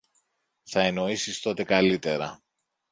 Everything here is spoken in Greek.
θα εννοήσεις τότε καλύτερα.